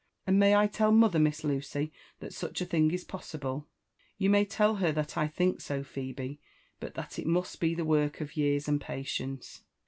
— And may I tell mother, Miss Lucy, that such a thing is possible V* ''You may tell her Ihat I think so, Phebe ; but that it must be the work of years and patience.